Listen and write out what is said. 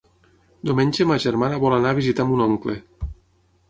Diumenge ma germana vol anar a visitar mon oncle.